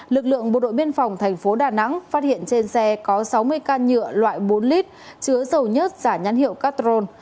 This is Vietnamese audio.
lực lượng bộ đội biên phòng thành phố đà nẵng phát hiện trên xe có sáu mươi can nhựa loại bốn lít chứa dầu nhất giả nhãn hiệu castrol